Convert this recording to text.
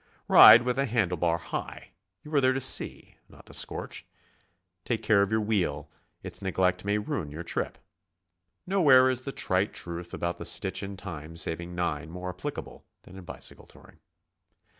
Ride with the handle bar high,— you are there to see, not to scorch. Take care of your wheel; its neglect may ruin your trip. Nowhere is the trite truth about the stitch in time saving nine more applicable than in bicycle touring.